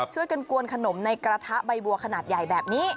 ช่วยกันกวนขนมในกระทะใบบัวขนาดใหญ่แบบนี้